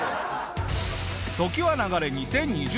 時は流れ２０２０年。